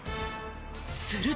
すると。